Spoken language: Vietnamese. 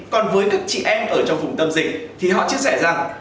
còn với các chị em ở trong vùng tâm dịch thì họ chia sẻ rằng